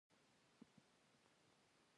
څنګه د هغه په سیوري کې د ودې هیله ولري.